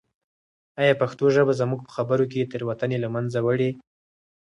آیا پښتو ژبه زموږ په خبرو کې تېروتنې له منځه وړي؟